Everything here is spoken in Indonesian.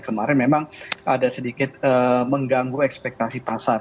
kemarin memang ada sedikit mengganggu ekspektasi pasar